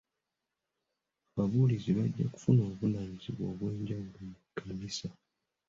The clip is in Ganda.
Ababuulizi bajja kufuna obuvunaanyizibwa obw'ejawulo mu kkanisa.